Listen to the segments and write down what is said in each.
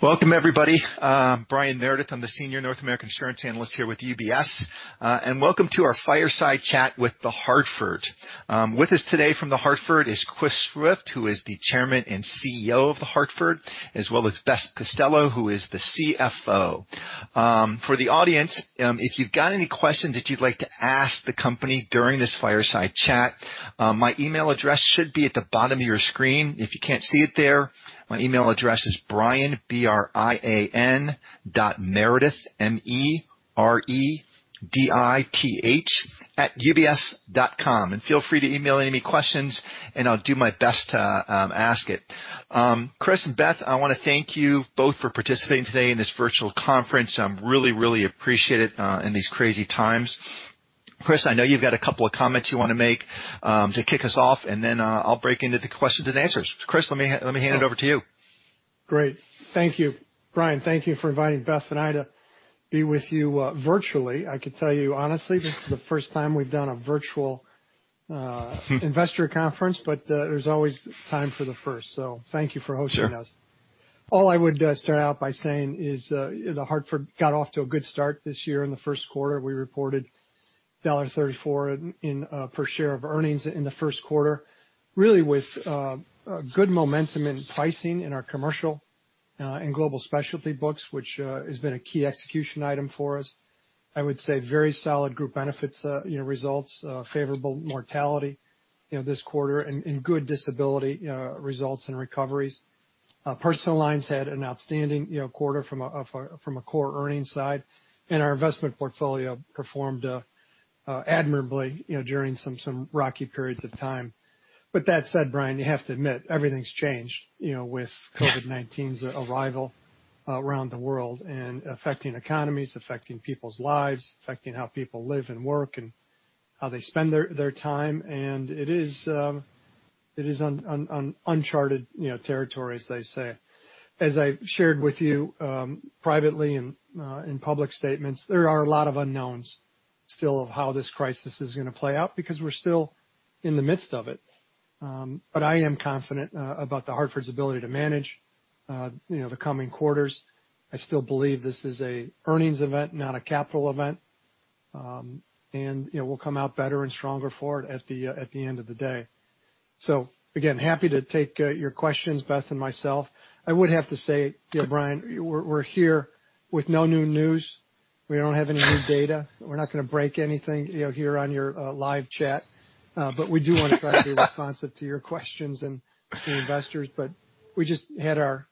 Welcome, everybody. Brian Meredith, I'm the Senior North American Insurance Analyst here with UBS. Welcome to our Fireside Chat with The Hartford. With us today from The Hartford is Chris Swift, who is the Chairman and CEO of The Hartford, as well as Beth Costello, who is the CFO. For the audience, if you've got any questions that you'd like to ask the company during this Fireside Chat, my email address should be at the bottom of your screen. If you can't see it there, my email address is Brian, B-R-I-A-N, .meredith, M-E-R-E-D-I-T-H, @ubs.com. Feel free to email any questions, and I'll do my best to ask it. Chris and Beth, I want to thank you both for participating today in this virtual conference. Really appreciate it in these crazy times. Chris, I know you've got a couple of comments you want to make to kick us off. Then I'll break into the questions and answers. Chris, let me hand it over to you. Great. Thank you. Brian, thank you for inviting Beth and I to be with you virtually. I could tell you honestly, this is the first time we've done a virtual investor conference. There's always time for the first. Thank you for hosting us. Sure. All I would start out by saying is The Hartford got off to a good start this year in the first quarter. We reported $1.34 per share of earnings in the first quarter, really with good momentum in pricing in our Commercial and Global Specialty books, which has been a key execution item for us. I would say very solid Group Benefits results, favorable mortality this quarter. Good Disability results and recoveries. Personal Lines had an outstanding quarter from a core earnings side. Our investment portfolio performed admirably during some rocky periods of time. With that said, Brian, you have to admit, everything's changed with COVID-19's arrival around the world, affecting economies, affecting people's lives, affecting how people live and work, and how they spend their time. It is on uncharted territory, as they say. As I shared with you privately and in public statements, there are a lot of unknowns still of how this crisis is going to play out because we're still in the midst of it. I am confident about The Hartford's ability to manage the coming quarters. I still believe this is an earnings event, not a capital event, and we'll come out better and stronger for it at the end of the day. Again, happy to take your questions, Beth and myself. I would have to say, Brian, we're here with no new news. We don't have any new data. We're not going to break anything here on your live chat. We do want to try to be responsive to your questions and to investors. We just had our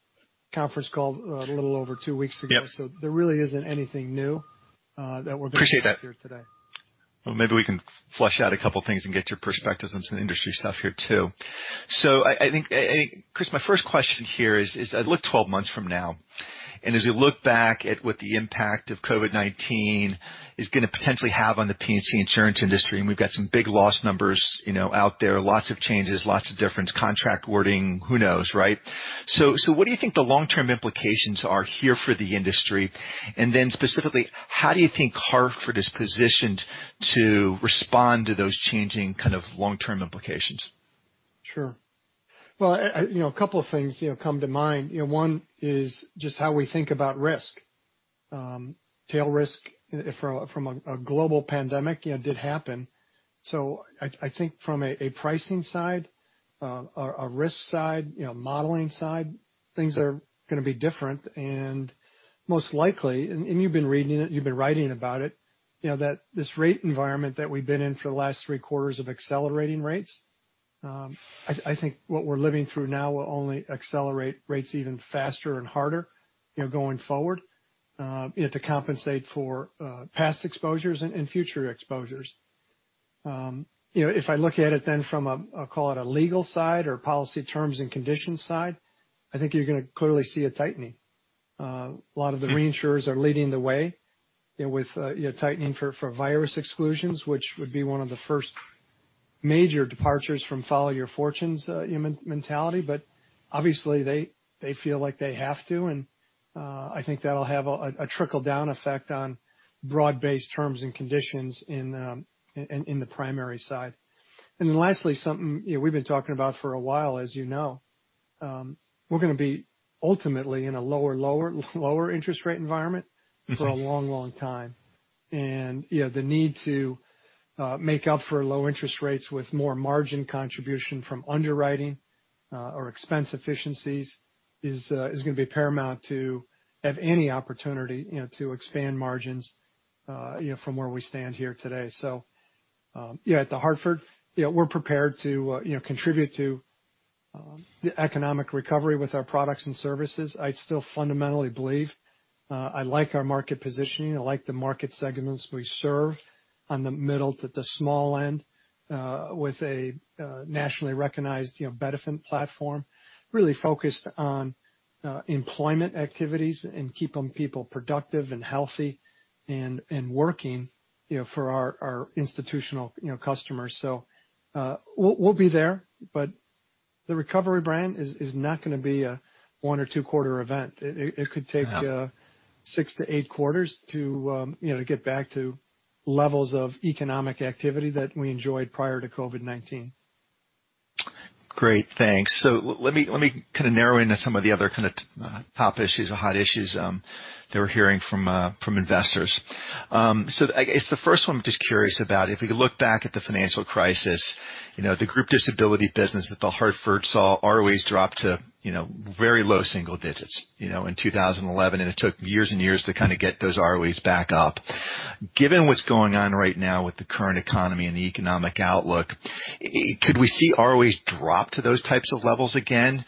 conference call a little over two weeks ago. Yep. There really isn't anything new that we're going to share here today. Appreciate that. Well, maybe we can flesh out a couple things and get your perspective on some industry stuff here, too. I think, Chris, my first question here is, look 12 months from now, as we look back at what the impact of COVID-19 is going to potentially have on the P&C insurance industry, and we've got some big loss numbers out there, lots of changes, lots of different contract wording. Who knows, right? What do you think the long-term implications are here for the industry? And then specifically, how do you think Hartford is positioned to respond to those changing long-term implications? Sure. Well, a couple of things come to mind. One is just how we think about risk. Tail risk from a global pandemic did happen. I think from a pricing side, a risk side, modeling side, things are going to be different, and most likely, and you've been reading it, you've been writing about it, that this rate environment that we've been in for the last three quarters of accelerating rates, I think what we're living through now will only accelerate rates even faster and harder going forward to compensate for past exposures and future exposures. If I look at it then from a, call it a legal side or policy terms and conditions side, I think you're going to clearly see a tightening. A lot of the reinsurers are leading the way with tightening for virus exclusions, which would be one of the first major departures from follow the fortunes mentality. Obviously, they feel like they have to, and I think that'll have a trickle-down effect on broad-based terms and conditions in the primary side. Lastly, something we've been talking about for a while, as you know, we're going to be ultimately in a lower interest rate environment for a long, long time. The need to make up for low interest rates with more margin contribution from underwriting or expense efficiencies is going to be paramount to have any opportunity to expand margins from where we stand here today. At The Hartford, we're prepared to contribute to the economic recovery with our products and services. I still fundamentally believe I like our market positioning. I like the market segments we serve on the middle to the small end with a nationally recognized benefit platform, really focused on employment activities and keeping people productive and healthy and working for our institutional customers. We'll be there, but the recovery, Brian, is not going to be a one or two-quarter event. It could take six to eight quarters to get back to levels of economic activity that we enjoyed prior to COVID-19. Great. Thanks. Let me kind of narrow into some of the other kind of top issues or hot issues that we're hearing from investors. I guess the first one, I'm just curious about if we could look back at the financial crisis, the Group Disability business that The Hartford saw ROEs drop to very low single digits in 2011, and it took years and years to kind of get those ROEs back up. Given what's going on right now with the current economy and the economic outlook, could we see ROEs drop to those types of levels again?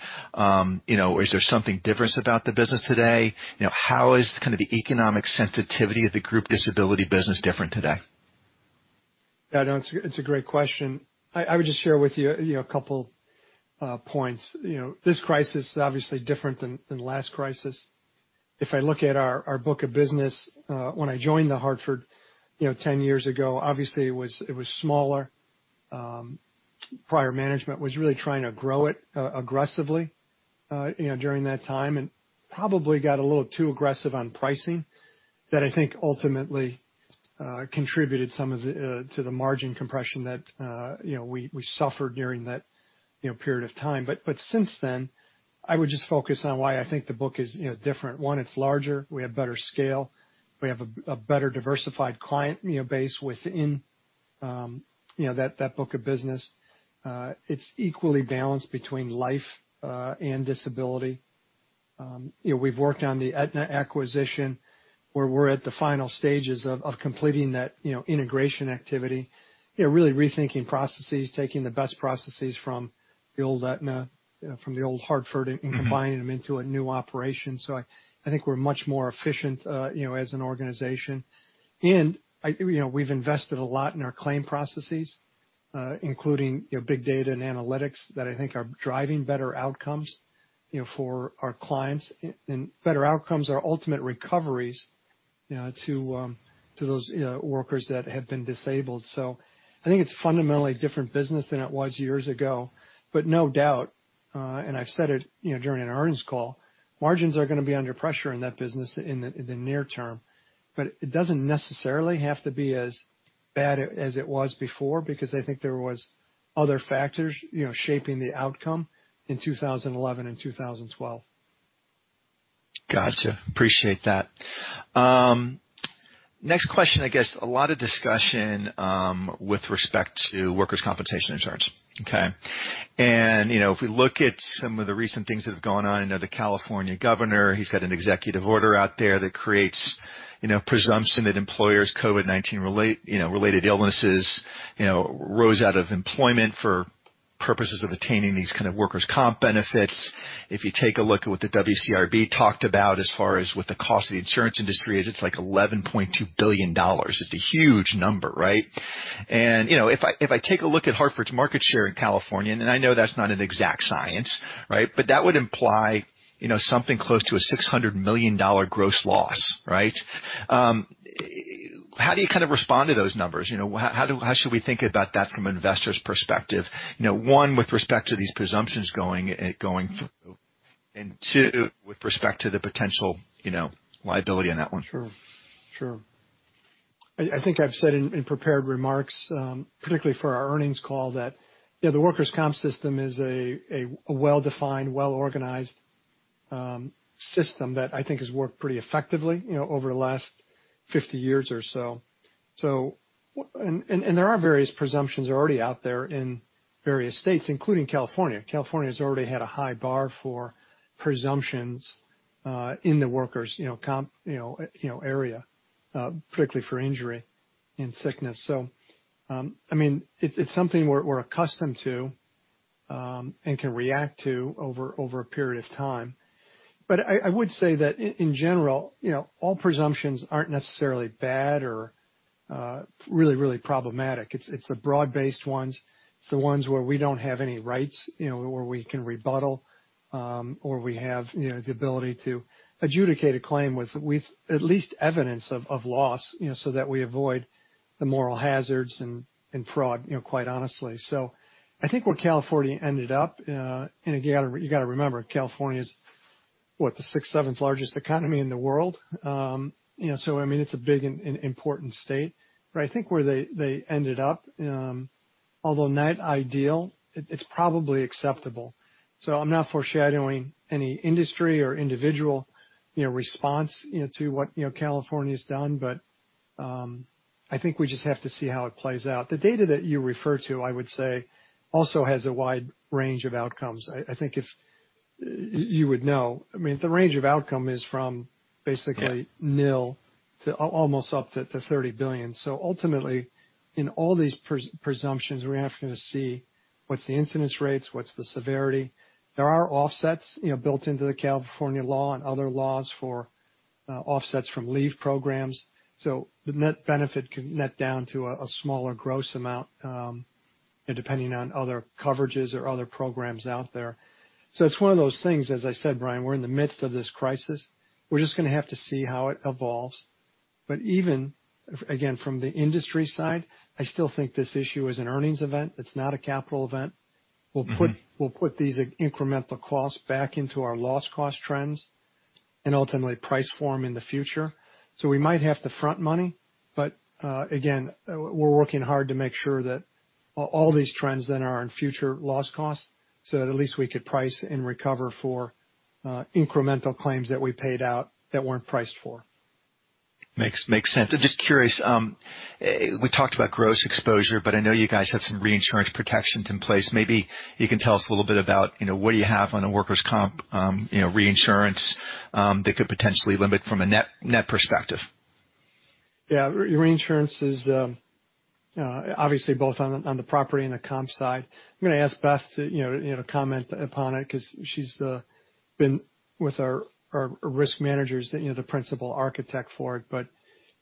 Is there something different about the business today? How is kind of the economic sensitivity of the Group Disability business different today? Yeah, no, it's a great question. I would just share with you a couple points. This crisis is obviously different than the last crisis. If I look at our book of business, when I joined The Hartford 10 years ago, obviously it was smaller. Prior management was really trying to grow it aggressively during that time, and probably got a little too aggressive on pricing. That I think, ultimately, contributed to the margin compression that we suffered during that period of time. Since then, I would just focus on why I think the book is different. One, it's larger. We have better scale. We have a better diversified client base within that book of business. It's equally balanced between life and disability. We've worked on the Aetna acquisition, where we're at the final stages of completing that integration activity. Rethinking processes, taking the best processes from the old Aetna, from the old Hartford and combining them into a new operation. I think we're much more efficient as an organization. We've invested a lot in our claim processes, including big data and analytics that I think are driving better outcomes for our clients, and better outcomes are ultimate recoveries to those workers that have been disabled. I think it's a fundamentally different business than it was years ago. No doubt, and I've said it during an earnings call, margins are going to be under pressure in that business in the near term. It doesn't necessarily have to be as bad as it was before because I think there was other factors shaping the outcome in 2011 and 2012. Gotcha. Appreciate that. Next question, I guess a lot of discussion with respect to Workers' Compensation insurance. Okay. If we look at some of the recent things that have gone on, the California governor, he's got an executive order out there that creates presumption that employers' COVID-19-related illnesses rose out of employment for purposes of attaining these kind of Workers' Comp benefits. If you take a look at what the WCIRB talked about as far as what the cost of the insurance industry is, it's like $11.2 billion. It's a huge number, right? If I take a look at Hartford's market share in California, and I know that's not an exact science, right? That would imply something close to a $600 million gross loss. Right? How do you kind of respond to those numbers? How should we think about that from an investor's perspective? One, with respect to these presumptions going through, and two, with respect to the potential liability on that one. Sure. I think I've said in prepared remarks, particularly for our earnings call, that the Workers' Comp system is a well-defined, well-organized system that I think has worked pretty effectively over the last 50 years or so. There are various presumptions already out there in various states, including California. California's already had a high bar for presumptions in the Workers' Comp area, particularly for injury and sickness. It's something we're accustomed to and can react to over a period of time. I would say that in general, all presumptions aren't necessarily bad or really problematic. It's the broad-based ones, it's the ones where we don't have any rights, where we can rebuttal, or we have the ability to adjudicate a claim with at least evidence of loss so that we avoid the moral hazards and fraud, quite honestly. I think where California ended up, and you got to remember, California's, what, the sixth, seventh largest economy in the world? It's a big and important state. I think where they ended up, although not ideal, it's probably acceptable. I'm not foreshadowing any industry or individual response to what California's done, but I think we just have to see how it plays out. The data that you refer to, I would say, also has a wide range of outcomes. I think you would know. The range of outcome is from basically nil to almost up to $30 billion. Ultimately, in all these presumptions, we're having to see what's the incidence rates, what's the severity. There are offsets built into the California law and other laws for offsets from leave programs. The net benefit can net down to a smaller gross amount depending on other coverages or other programs out there. It's one of those things, as I said, Brian, we're in the midst of this crisis. We're just going to have to see how it evolves. Even, again, from the industry side, I still think this issue is an earnings event. It's not a capital event. We'll put these incremental costs back into our loss cost trends. Ultimately price form in the future. We might have the front money, but again, we're working hard to make sure that all these trends then are in future loss costs, so that at least we could price and recover for incremental claims that we paid out that weren't priced for. Makes sense. I'm just curious. We talked about gross exposure, but I know you guys have some reinsurance protections in place. Maybe you can tell us a little bit about what do you have on a workers' comp, reinsurance, that could potentially limit from a net perspective. Yeah. Reinsurance is obviously both on the property and the comp side. I'm going to ask Beth to comment upon it because she's been with our risk managers, the principal architect for it.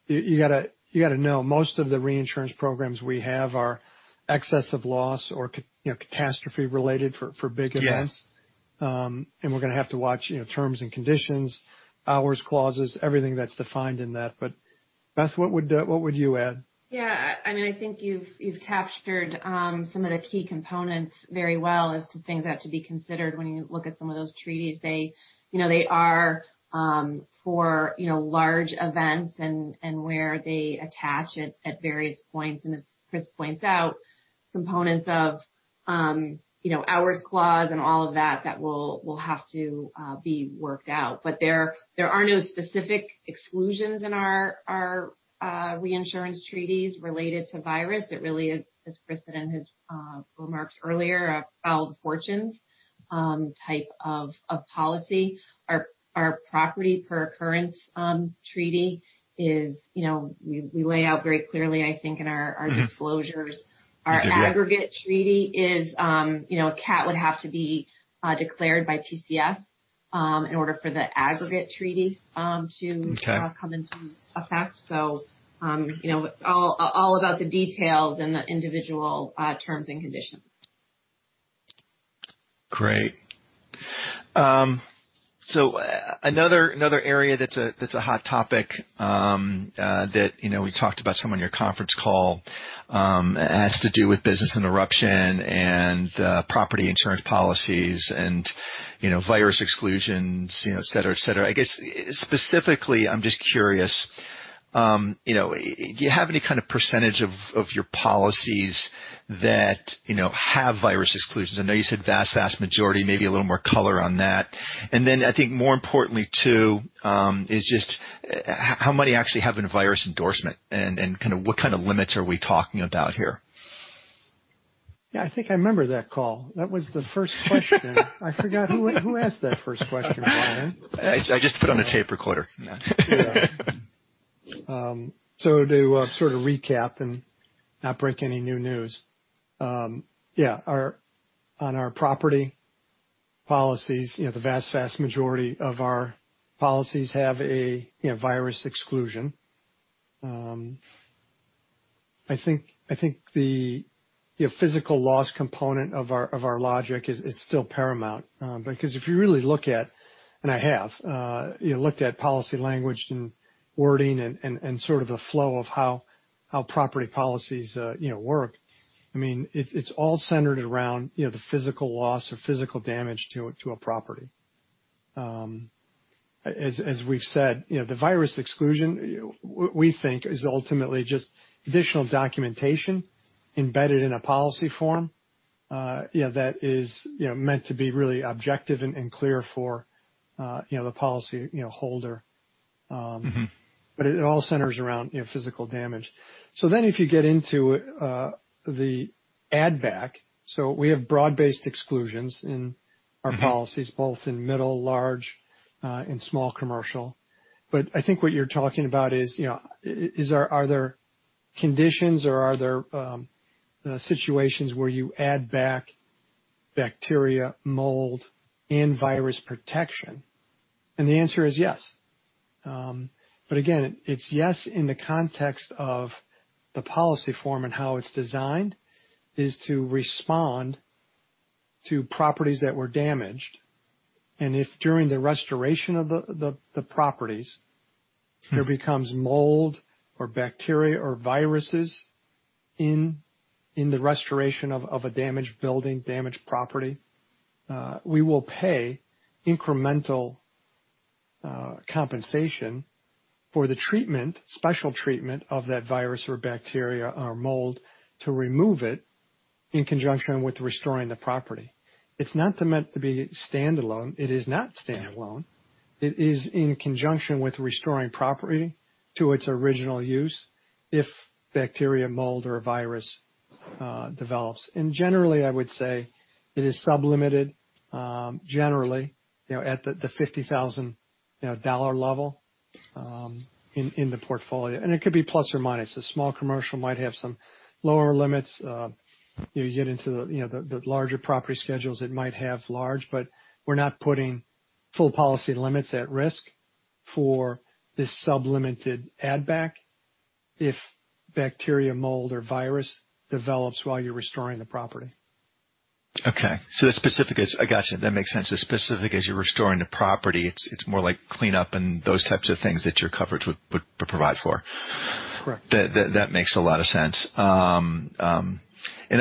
You got to know, most of the reinsurance programs we have are excess of loss or catastrophe related for big events. Yes. We're going to have to watch terms and conditions, hours clauses, everything that's defined in that. Beth, what would you add? Yeah. I think you've captured some of the key components very well as to things that have to be considered when you look at some of those treaties. They are for large events and where they attach it at various points, and as Chris points out, components of hours clause and all of that will have to be worked out. There are no specific exclusions in our reinsurance treaties related to virus. It really is, as Chris said in his remarks earlier, a follow the fortunes type of policy. Our property per occurrence treaty is, we lay out very clearly, I think, in our disclosures. Our aggregate treaty is, a cat would have to be declared by PCS in order for the aggregate treaty to. Okay All about the details and the individual terms and conditions. Great. Another area that's a hot topic that we talked about some on your conference call, has to do with business interruption and property insurance policies and virus exclusions, et cetera. I guess, specifically, I'm just curious, do you have any kind of % of your policies that have virus exclusions? I know you said vast majority. Maybe a little more color on that. I think more importantly, too, is just how many actually have a virus endorsement and what kind of limits are we talking about here? Yeah. I think I remember that call. That was the first question. I forgot who asked that first question. Brian? I just put on a tape recorder. No. To recap and not break any new news. On our property policies, the vast majority of our policies have a virus exclusion. I think the physical loss component of our logic is still paramount. Because if you really look at policy language and wording and the flow of how property policies work. It's all centered around the physical loss or physical damage to a property. As we've said, the virus exclusion, we think is ultimately just additional documentation embedded in a policy form that is meant to be really objective and clear for the policy holder. It all centers around physical damage. If you get into the add back, so we have broad-based exclusions in our policies, both in middle, large, and small commercial. I think what you're talking about is, are there conditions or are there situations where you add back bacteria, mold, and virus protection? The answer is yes. It's yes in the context of the policy form and how it's designed is to respond to properties that were damaged. If during the restoration of the properties, there becomes mold or bacteria or viruses in the restoration of a damaged building, damaged property, we will pay incremental compensation for the special treatment of that virus or bacteria or mold to remove it in conjunction with restoring the property. It's not meant to be standalone. It is not standalone. It is in conjunction with restoring property to its original use if bacteria, mold, or virus develops. Generally, I would say it is sub-limited, generally, at the $50,000 level in the portfolio. It could be plus or minus. A small commercial might have some lower limits. You get into the larger property schedules, it might have large, but we're not putting full policy limits at risk for this sub-limited add back if bacteria, mold, or virus develops while you're restoring the property. Okay. That's specific. I got you. That makes sense. As specific as you're restoring the property, it's more like cleanup and those types of things that your coverage would provide for. Correct. That makes a lot of sense. I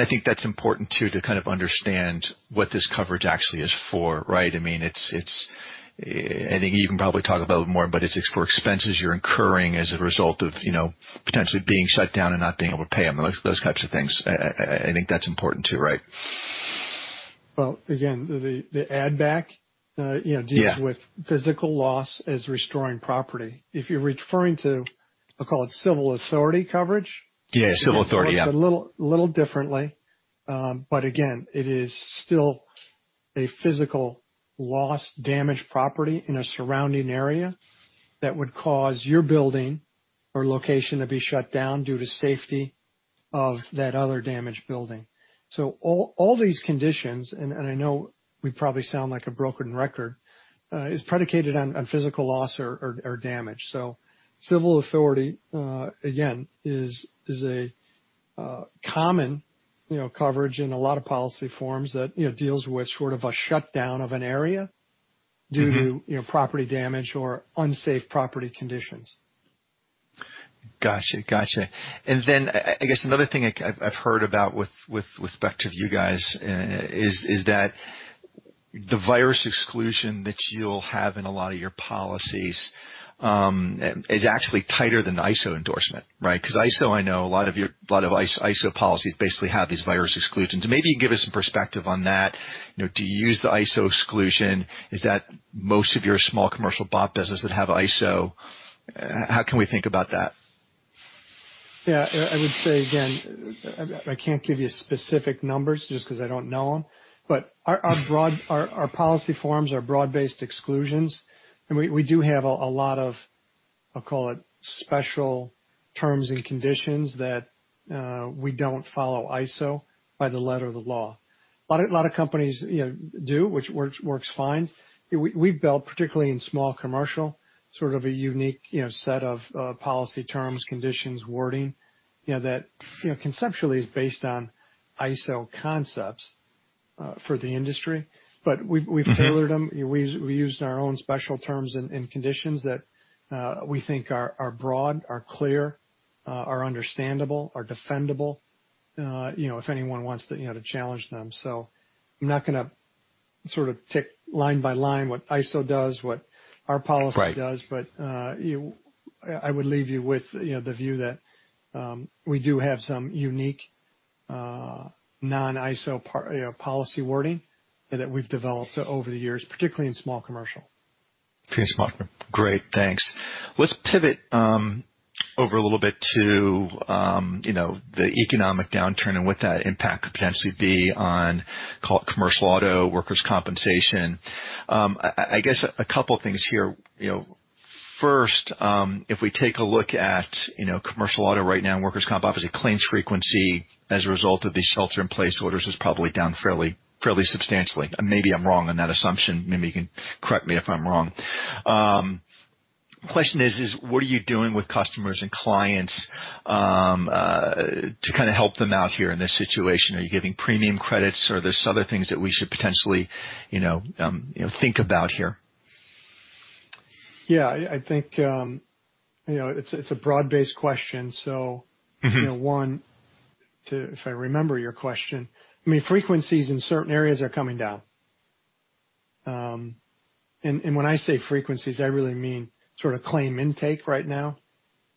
think that's important too, to kind of understand what this coverage actually is for, right? I think you can probably talk about it more, but it's for expenses you're incurring as a result of potentially being shut down and not being able to pay them, those types of things. I think that's important, too, right? Well, again, the add back deals with physical loss as restoring property. If you're referring to, I'll call it civil authority coverage. Yeah, civil authority, yeah. It works a little differently. Again, it is still a physical loss, damaged property in a surrounding area that would cause your building or location to be shut down due to safety of that other damaged building. All these conditions, and I know we probably sound like a broken record, is predicated on physical loss or damage. Civil authority, again, is a common coverage in a lot of policy forms that deals with sort of a shutdown of an area due to property damage or unsafe property conditions. Got you. I guess another thing I've heard about with respect to you guys is that the virus exclusion that you'll have in a lot of your policies, is actually tighter than the ISO endorsement, right? Because ISO, I know a lot of ISO policies basically have these virus exclusions. Maybe you can give us some perspective on that. Do you use the ISO exclusion? Is that most of your Small Commercial BOP business that have ISO? How can we think about that? Yeah, I would say, again, I can't give you specific numbers just because I don't know them, our policy forms are broad-based exclusions, we do have a lot of, I'll call it special terms and conditions that we don't follow ISO by the letter of the law. A lot of companies do, which works fine. We've built, particularly in Small Commercial, sort of a unique set of policy terms, conditions, wording that conceptually is based on ISO concepts for the industry. We've tailored them. We've used our own special terms and conditions that we think are broad, are clear, are understandable, are defendable, if anyone wants to challenge them. I'm not going to sort of tick line by line what ISO does, what our policy does. Right. I would leave you with the view that we do have some unique non-ISO policy wording that we've developed over the years, particularly in Small Commercial. Pretty smart. Great. Thanks. Let's pivot over a little bit to the economic downturn and what that impact could potentially be on Commercial Auto Workers' Compensation. I guess a couple things here. First, if we take a look at Commercial Auto right now and Workers' Comp, obviously claims frequency as a result of these shelter-in-place orders is probably down fairly substantially. Maybe I'm wrong on that assumption. Maybe you can correct me if I'm wrong. Question is, what are you doing with customers and clients to kind of help them out here in this situation? Are you giving premium credits or there's other things that we should potentially think about here? Yeah, I think it's a broad-based question. One, if I remember your question, frequencies in certain areas are coming down. When I say frequencies, I really mean sort of claim intake right now,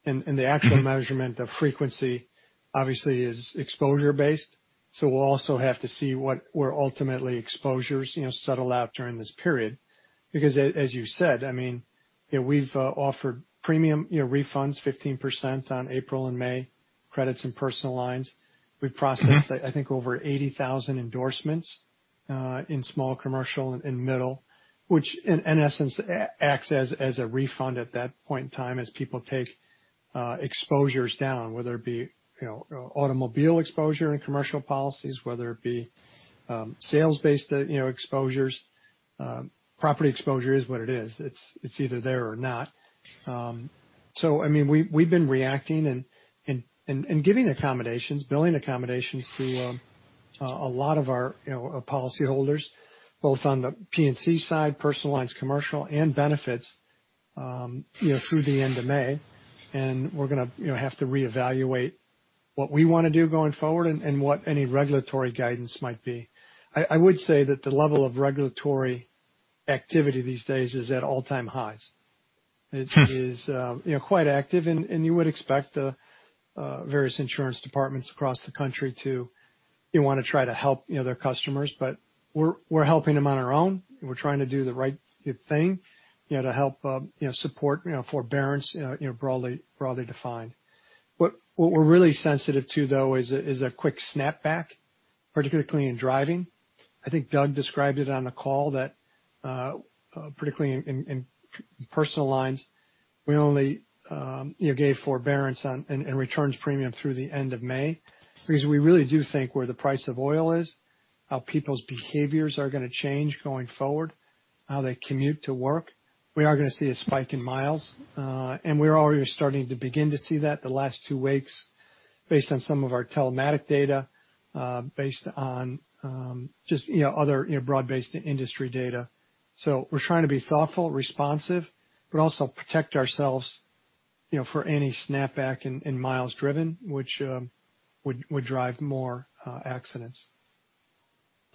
and the actual measurement of frequency obviously is exposure based. We'll also have to see where ultimately exposures settle out during this period. Because as you said, we've offered premium refunds, 15% on April and May credits and personal lines. We've processed, I think, over 80,000 endorsements, in small commercial and middle, which in essence, acts as a refund at that point in time as people take exposures down, whether it be automobile exposure in commercial policies, whether it be sales-based exposures. Property exposure is what it is. It's either there or not. We've been reacting and giving accommodations, billing accommodations to a lot of our policyholders, both on the P&C side, personal lines, commercial, and benefits through the end of May. We're going to have to reevaluate what we want to do going forward and what any regulatory guidance might be. I would say that the level of regulatory activity these days is at all-time highs. It is quite active, and you would expect various insurance departments across the country to want to try to help their customers, but we're helping them on our own, and we're trying to do the right thing to help support forbearance broadly defined. What we're really sensitive to, though, is a quick snapback, particularly in driving. I think Doug described it on the call that particularly in personal lines, we only gave forbearance on and returns premium through the end of May because we really do think where the price of oil is, how people's behaviors are going to change going forward, how they commute to work. We are going to see a spike in miles. We're already starting to begin to see that the last two weeks based on some of our telematics data, based on just other broad-based industry data. We're trying to be thoughtful, responsive, but also protect ourselves for any snapback in miles driven, which would drive more accidents.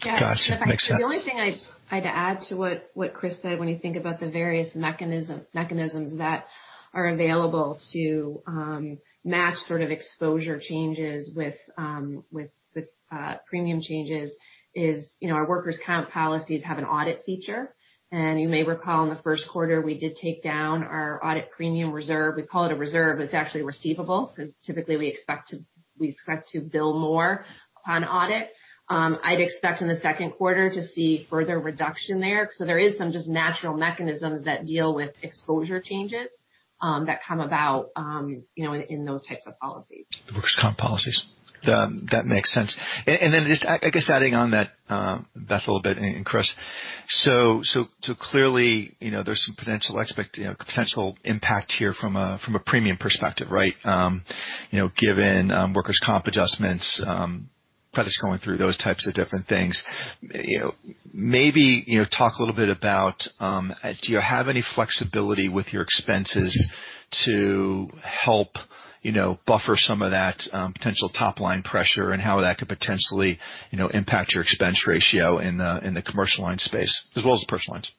Got you. Makes sense. The only thing I'd add to what Chris said, when you think about the various mechanisms that are available to match exposure changes with premium changes is, our Workers' Comp policies have an audit feature. You may recall in the first quarter, we did take down our audit premium reserve. We call it a reserve. It's actually a receivable, because typically we expect to bill more on audit. I'd expect in the second quarter to see further reduction there. There is some just natural mechanisms that deal with exposure changes that come about in those types of policies. The Workers' Comp policies. That makes sense. Then just, I guess, adding on that, Beth, a little bit, and Chris. Clearly, there's some potential impact here from a premium perspective, right? Given Workers' Comp adjustments, credits going through, those types of different things. Maybe talk a little bit about, do you have any flexibility with your expenses to help buffer some of that potential top-line pressure and how that could potentially impact your expense ratio in the Commercial Lines space as well as Personal Lines?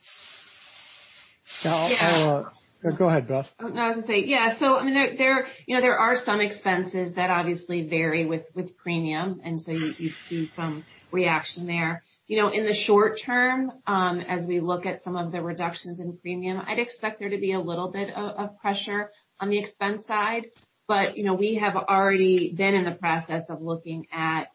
Go ahead, Beth. No, I was going to say. Yeah. There are some expenses that obviously vary with premium, so you see some reaction there. In the short term, as we look at some of the reductions in premium, I'd expect there to be a little bit of pressure on the expense side. We have already been in the process of looking at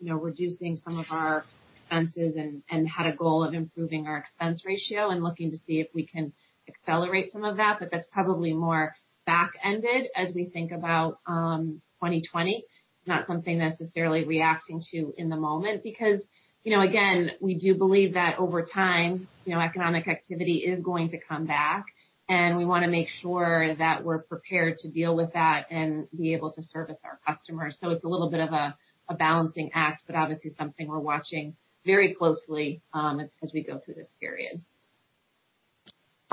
reducing some of our expenses and had a goal of improving our expense ratio and looking to see if we can accelerate some of that. That's probably more back-ended as we think about 2020. It's not something necessarily reacting to in the moment, because, again, we do believe that over time, economic activity is going to come back, and we want to make sure that we're prepared to deal with that and be able to service our customers. It's a little bit of a balancing act, but obviously something we're watching very closely as we go through this period.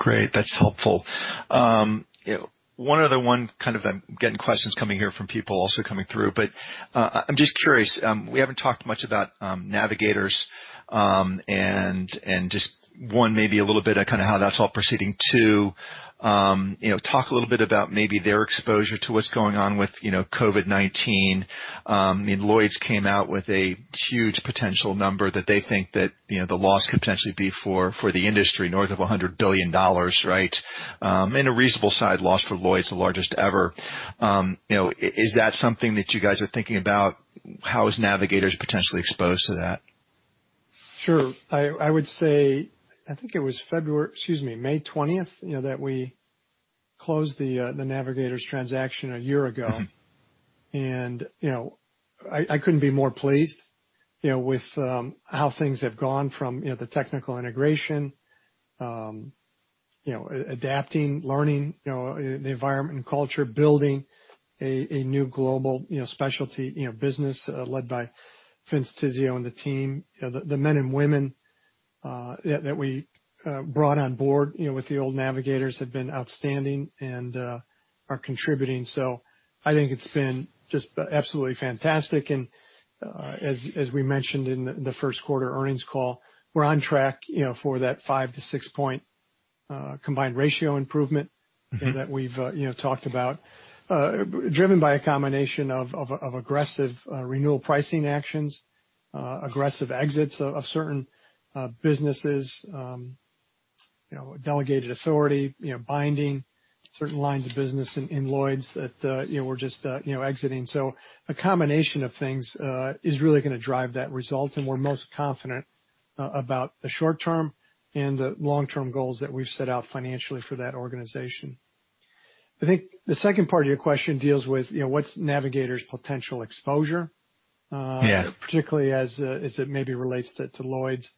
Great. That's helpful. One other one, I'm getting questions coming here from people also coming through, but I'm just curious. We haven't talked much about Navigators, and just one maybe a little bit of how that's all proceeding to talk a little bit about maybe their exposure to what's going on with COVID-19. Lloyd's came out with a huge potential number that they think that the loss could potentially be for the industry north of $100 billion, right? In a reasonable side, loss for Lloyd's the largest ever. Is that something that you guys are thinking about? How is Navigators potentially exposed to that? Sure. I would say, I think it was February, excuse me, May 20th, that we closed the Navigators transaction a year ago. I couldn't be more pleased with how things have gone from the technical integration, adapting, learning the environment and culture, building a new Global Specialty business led by Vince Tizzio and the team. The men and women that we brought on board with the old Navigators have been outstanding and are contributing. I think it's been just absolutely fantastic, and as we mentioned in the first quarter earnings call, we're on track for that five to six point combined ratio improvement- that we've talked about, driven by a combination of aggressive renewal pricing actions, aggressive exits of certain businesses, delegated authority, binding certain lines of business in Lloyd's that we're just exiting. a combination of things is really going to drive that result, and we're most confident about the short-term and the long-term goals that we've set out financially for that organization. I think the second part of your question deals with what's Navigators' potential exposure? Yeah. Particularly as it maybe relates to Lloyd's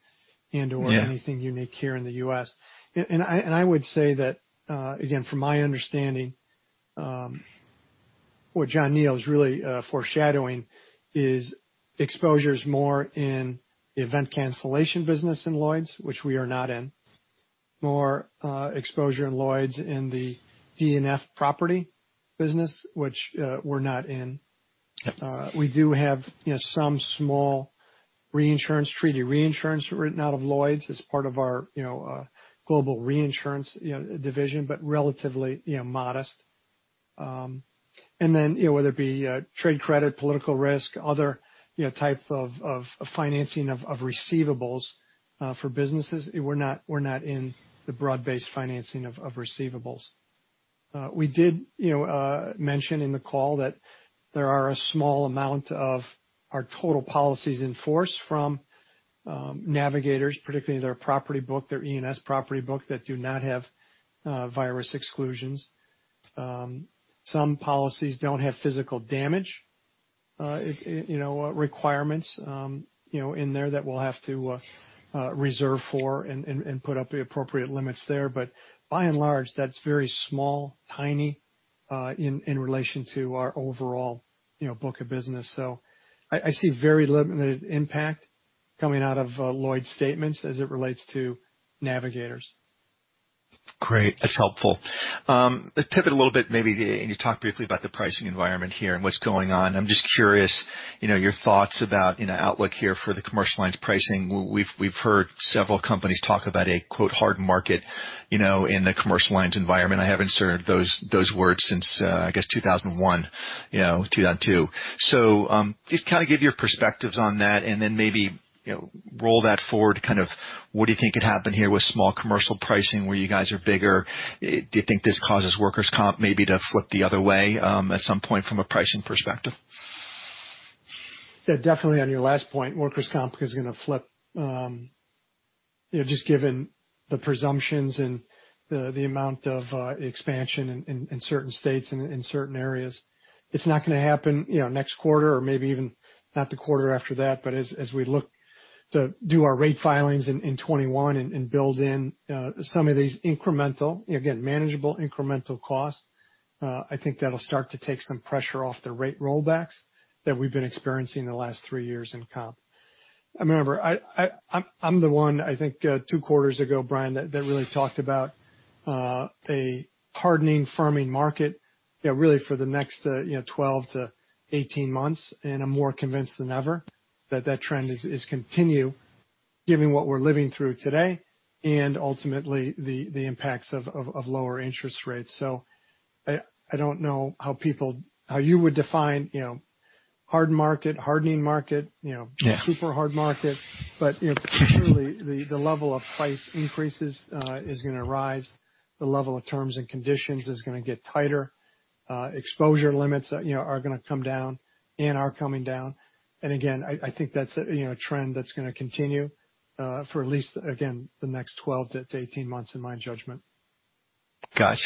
and/or- Yeah anything unique here in the U.S. I would say that, again, from my understanding, what John Neal is really foreshadowing is exposures more in the event cancellation business in Lloyd's, which we are not in. More exposure in Lloyd's in the D&F property business, which we're not in. Yep. We do have some small reinsurance treaty, reinsurance written out of Lloyd's as part of our global reinsurance division, but relatively modest. then, whether it be trade credit, political risk, other type of financing of receivables for businesses, we're not in the broad-based financing of receivables. We did mention in the call that there are a small amount of our total policies in force from Navigators, particularly their property book, their E&S property book, that do not have virus exclusions. Some policies don't have physical damage requirements in there that we'll have to reserve for and put up the appropriate limits there. by and large, that's very small, tiny in relation to our overall book of business. I see very limited impact coming out of Lloyd's statements as it relates to Navigators. Great. That's helpful. Let's pivot a little bit maybe. You talked briefly about the pricing environment here and what's going on. I'm just curious, your thoughts about outlook here for the Commercial Lines pricing. We've heard several companies talk about a quote, hard market, in the Commercial Lines environment. I haven't heard those words since, I guess, 2001, 2002. Just kind of give your perspectives on that and then maybe roll that forward to what do you think could happen here with Small Commercial pricing where you guys are bigger? Do you think this causes Workers' Comp maybe to flip the other way at some point from a pricing perspective? Definitely on your last point, Workers' Comp is going to flip, just given the presumptions and the amount of expansion in certain states and in certain areas. It's not going to happen next quarter or maybe even not the quarter after that. As we look to do our rate filings in 2021 and build in some of these incremental, again, manageable incremental costs, I think that'll start to take some pressure off the rate rollbacks that we've been experiencing the last three years in Comp. Remember, I'm the one, I think, two quarters ago, Brian, that really talked about a hardening, firming market, really for the next 12 to 18 months, and I'm more convinced than ever that trend is continue given what we're living through today and ultimately the impacts of lower interest rates. I don't know how you would define hard market, hardening market. Yeah Super hard market. Surely the level of price increases is going to rise. The level of terms and conditions is going to get tighter. Exposure limits are going to come down and are coming down. Again, I think that's a trend that's going to continue for at least, again, the next 12 to 18 months in my judgment. Got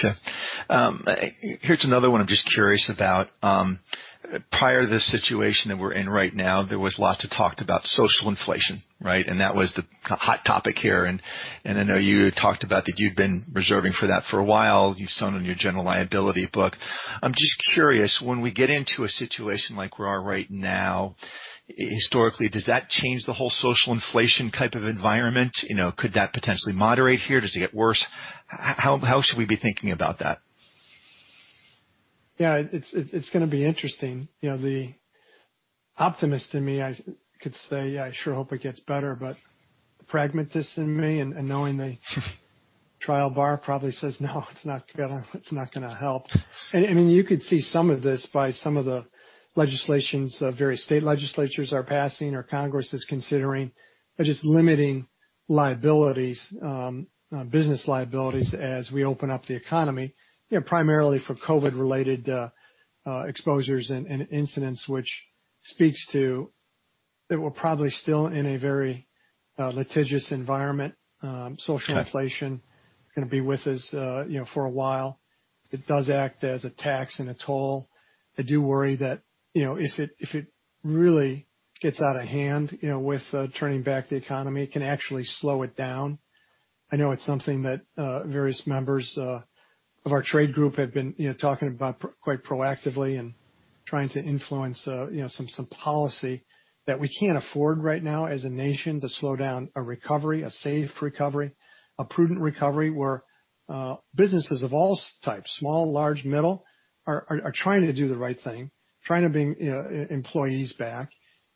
you. Here's another one I'm just curious about. Prior to this situation that we're in right now, there was lots of talk about social inflation, right? That was the hot topic here, and I know you had talked about that you'd been reserving for that for a while. You've sewn in your general liability book. I'm just curious, when we get into a situation like we are right now, historically, does that change the whole social inflation type of environment? Could that potentially moderate here? Does it get worse? How should we be thinking about that? Yeah. It's going to be interesting. The optimist in me could say, I sure hope it gets better, but the pragmatist in me and knowing the trial bar probably says, "No, it's not going to help." You could see some of this by some of the legislations various state legislatures are passing or Congress is considering, are just limiting liabilities, business liabilities as we open up the economy, primarily for COVID-related exposures and incidents which speaks to that we're probably still in a very litigious environment. Social inflation is going to be with us for a while. It does act as a tax and a toll. I do worry that if it really gets out of hand with turning back the economy, it can actually slow it down. I know it's something that various members of our trade group have been talking about quite proactively and trying to influence some policy that we can't afford right now as a nation to slow down a recovery, a safe recovery, a prudent recovery where businesses of all types, small, large, middle, are trying to do the right thing, trying to bring employees back.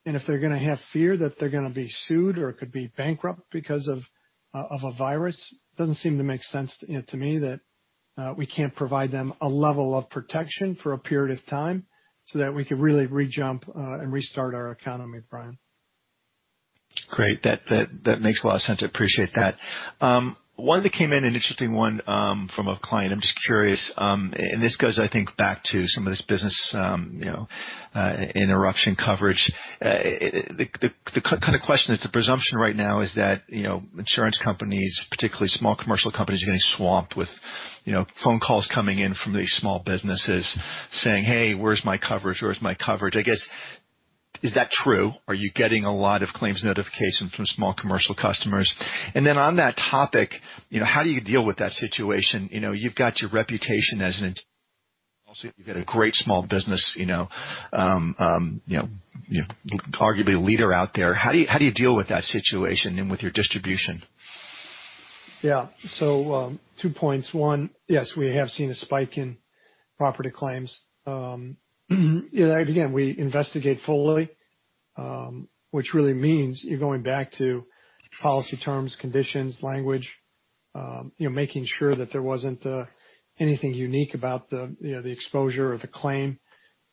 If they're going to have fear that they're going to be sued or could be bankrupt because of a virus, doesn't seem to make sense to me that we can't provide them a level of protection for a period of time so that we could really re-jump and restart our economy, Brian. Great. That makes a lot of sense. I appreciate that. One that came in, an interesting one from a client, I'm just curious, and this goes, I think back to some of this business interruption coverage. The kind of question is the presumption right now is that insurance companies, particularly Small Commercial companies, are getting swamped with phone calls coming in from these small businesses saying, "Hey, where's my coverage? Where's my coverage?" I guess, is that true? Are you getting a lot of claims notification from Small Commercial customers? On that topic, how do you deal with that situation? You've got your reputation as an also you've got a great small business arguably leader out there. How do you deal with that situation and with your distribution? Yeah. Two points. One, yes, we have seen a spike in property claims. Again, we investigate fully, which really means you're going back to policy terms, conditions, language, making sure that there wasn't anything unique about the exposure or the claim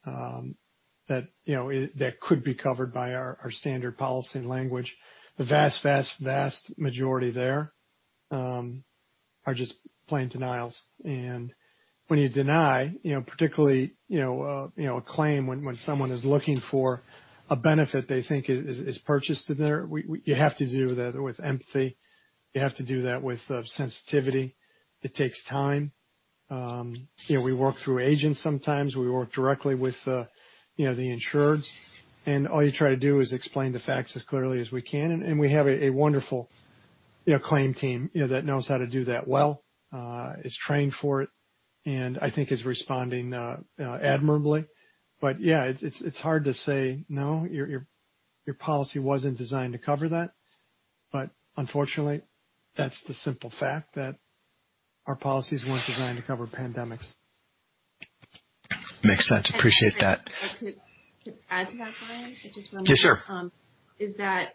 that could be covered by our standard policy and language. The vast majority there are just plain denials. When you deny, particularly a claim when someone is looking for a benefit they think is purchased in there, you have to do that with empathy. You have to do that with sensitivity. It takes time. We work through agents sometimes, we work directly with the insureds, and all you try to do is explain the facts as clearly as we can. We have a wonderful claim team that knows how to do that well, is trained for it, and I think is responding admirably. Yeah. It's hard to say, "No, your policy wasn't designed to cover that." Unfortunately, that's the simple fact that our policies weren't designed to cover pandemics. Makes sense. Appreciate that. If I could add to that, Brian, I just want to. Yeah, sure is that,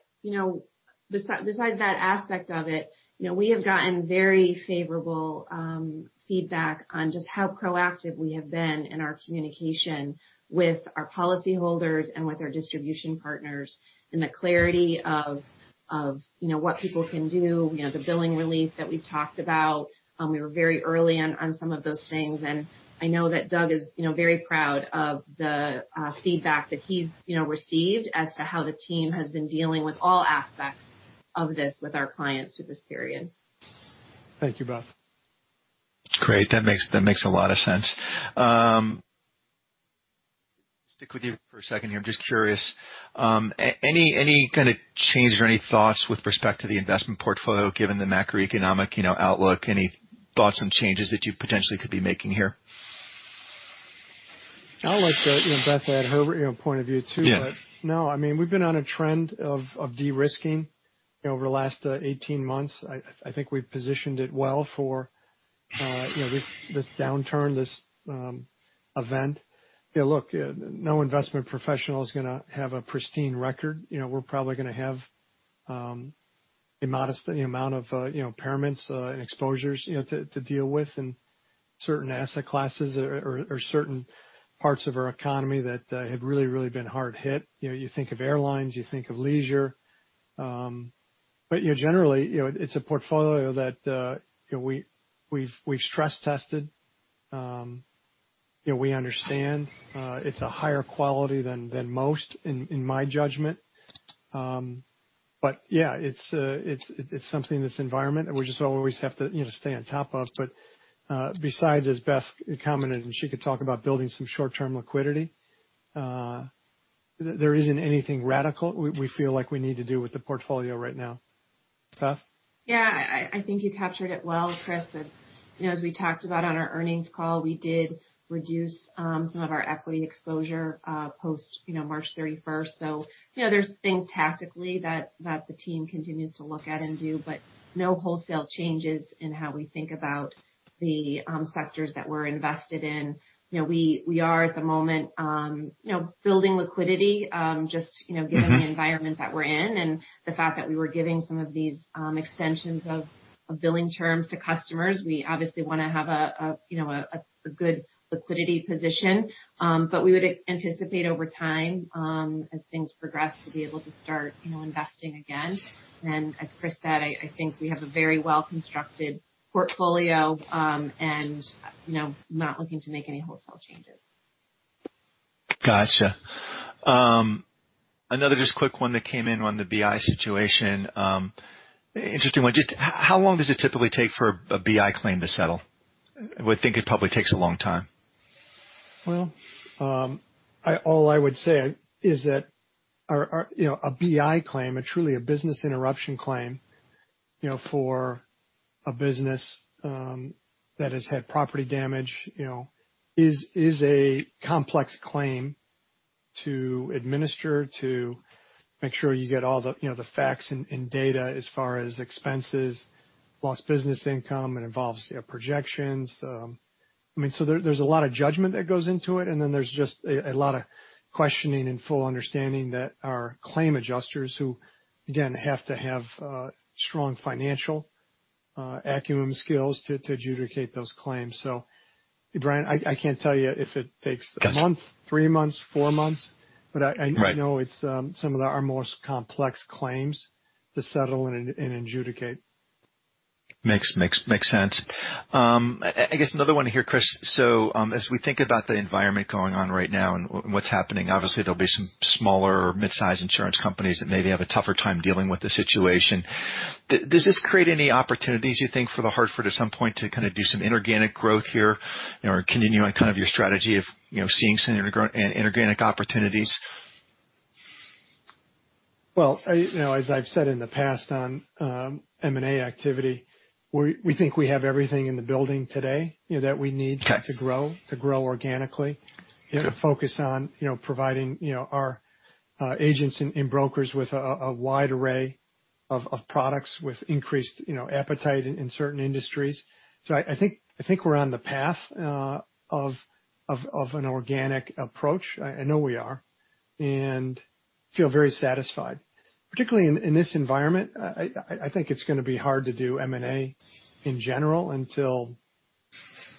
besides that aspect of it, we have gotten very favorable feedback on just how proactive we have been in our communication with our policyholders and with our distribution partners, and the clarity of what people can do. The billing relief that we've talked about, we were very early on some of those things, and I know that Doug is very proud of the feedback that he's received as to how the team has been dealing with all aspects of this with our clients through this period. Thank you, Beth. Great. That makes a lot of sense. Stick with you for a second here. I'm just curious. Any kind of change or any thoughts with respect to the investment portfolio, given the macroeconomic outlook? Any thoughts on changes that you potentially could be making here? I'll let Beth add her point of view, too. Yeah. no, we've been on a trend of de-risking over the last 18 months. I think we've positioned it well for this downturn, this event. Look, no investment professional is going to have a pristine record. We're probably going to have the amount of impairments and exposures to deal with in certain asset classes or certain parts of our economy that have really, really been hard hit. You think of airlines, you think of leisure. Generally, it's a portfolio that we've stress tested. We understand it's a higher quality than most, in my judgment. Yeah, it's something in this environment that we just always have to stay on top of. Besides, as Beth commented, and she could talk about building some short-term liquidity, there isn't anything radical we feel like we need to do with the portfolio right now. Beth? Yeah, I think you captured it well, Chris. As we talked about on our earnings call, we did reduce some of our equity exposure post March 31st. there's things tactically that the team continues to look at and do, but no wholesale changes in how we think about the sectors that we're invested in. We are, at the moment building liquidity, just given the environment that we're in and the fact that we were giving some of these extensions of billing terms to customers. We obviously want to have a good liquidity position. we would anticipate over time, as things progress, to be able to start investing again. as Chris said, I think we have a very well-constructed portfolio, and not looking to make any wholesale changes. Got you. Another just quick one that came in on the BI situation. Interesting one. Just how long does it typically take for a BI claim to settle? I would think it probably takes a long time. Well, all I would say is that a BI claim, truly a business interruption claim for a business that has had property damage, is a complex claim to administer, to make sure you get all the facts and data as far as expenses, lost business income. It involves projections. there's a lot of judgment that goes into it, and then there's just a lot of questioning and full understanding that our claim adjusters who, again, have to have strong financial acumen skills to adjudicate those claims. Brian, I can't tell you if it takes a month- Got you three months, four months. I know it's some of our most complex claims to settle and adjudicate. Makes sense. I guess another one here, Chris. As we think about the environment going on right now and what's happening, obviously there'll be some smaller, mid-size insurance companies that maybe have a tougher time dealing with the situation. Does this create any opportunities, you think, for The Hartford at some point to do some inorganic growth here or continue on your strategy of seeing some inorganic opportunities? Well, as I've said in the past on M&A activity, we think we have everything in the building today that we need to grow organically and to focus on providing our agents and brokers with a wide array of products with increased appetite in certain industries. I think we're on the path of an organic approach. I know we are, and feel very satisfied. Particularly in this environment, I think it's going to be hard to do M&A in general until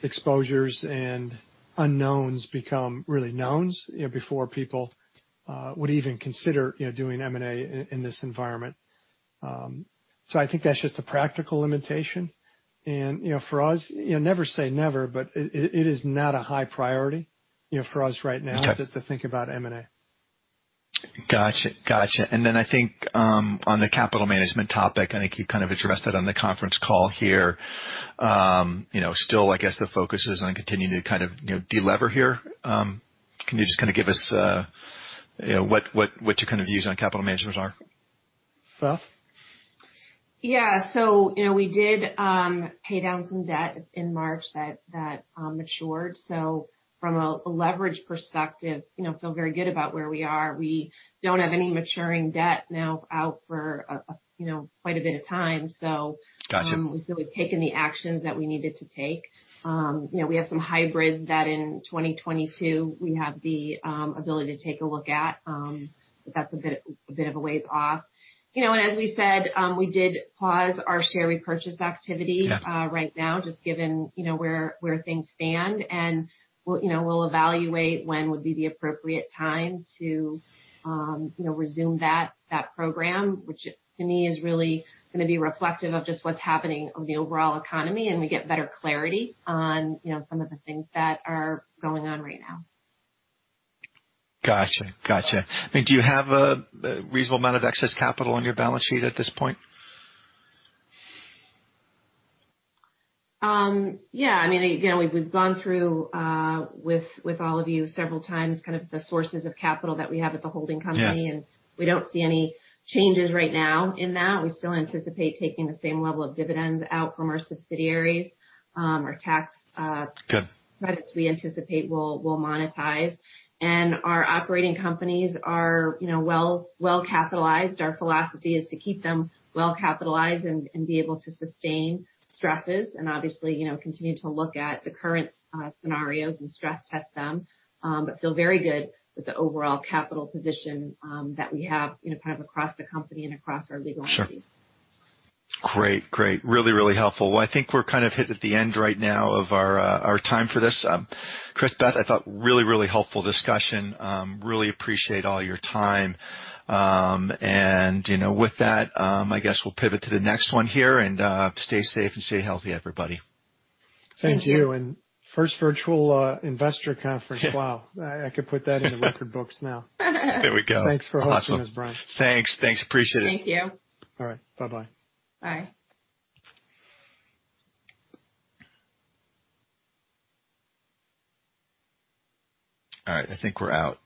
exposures and unknowns become really knowns before people would even consider doing M&A in this environment. I think that's just a practical limitation. For us, never say never, but it is not a high priority for us right now- Okay to think about M&A. Gotcha. I think on the capital management topic, I think you kind of addressed it on the conference call here. Still, I guess the focus is on continuing to kind of de-lever here. Can you just kind of give us what your views on capital management are? Beth? Yeah. we did pay down some debt in March that matured. from a leverage perspective, feel very good about where we are. We don't have any maturing debt now out for quite a bit of time, so- Got you we feel we've taken the actions that we needed to take. We have some hybrids that in 2022 we have the ability to take a look at. that's a bit of a ways off. as we said, we did pause our share repurchase activity- Yeah right now, just given where things stand. we'll evaluate when would be the appropriate time to resume that program, which to me is really going to be reflective of just what's happening on the overall economy, and we get better clarity on some of the things that are going on right now. Got you. Do you have a reasonable amount of excess capital on your balance sheet at this point? Yeah. We've gone through with all of you several times, kind of the sources of capital that we have at the holding company. Yeah. We don't see any changes right now in that. We still anticipate taking the same level of dividends out from our subsidiaries or tax- Good credits we anticipate we'll monetize. Our operating companies are well capitalized. Our philosophy is to keep them well capitalized and be able to sustain stresses and obviously continue to look at the current scenarios and stress test them. Feel very good with the overall capital position that we have across the company and across our legal entities. Sure. Great. Really helpful. Well, I think we're kind of hit at the end right now of our time for this. Chris, Beth, I thought really helpful discussion. Really appreciate all your time. With that, I guess we'll pivot to the next one here and stay safe and stay healthy, everybody. Thank you. First virtual investor conference. Wow. I could put that in the record books now. There we go. Thanks for hosting us, Brian. Awesome. Thanks. Appreciate it. Thank you. All right. Bye-bye. Bye. All right, I think we're out.